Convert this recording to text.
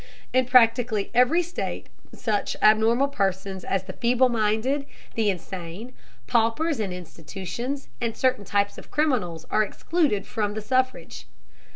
In practically every state such abnormal persons as the feeble minded, the insane, paupers in institutions, and certain types of criminals are excluded from the suffrage.